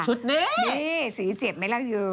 ชุดนี้นี่สีเจ็บไหมล่ะคือ